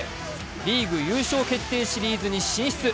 リーグ優勝決定シリーズに進出。